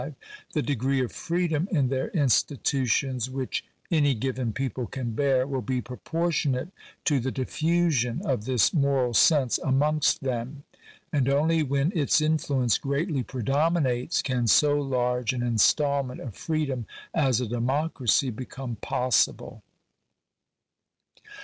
V.). the degree of freedom in their institutions which any given people can bear, will be proportionate to the diffusion of this moral sense amongst them. And only^phen its influence greatly predominates can so large an instalment of freedom as a democracy become possible.